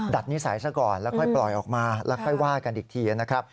นิสัยซะก่อนแล้วค่อยปล่อยออกมาแล้วค่อยว่ากันอีกทีนะครับ